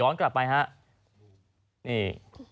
ย้อนกลับไปฮะนี่